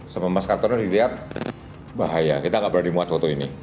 sama mas katono dilihat bahaya kita gak berani muat foto ini